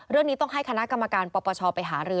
เรื่องนี้ต้องให้คณะกรรมการปปชไปหารือ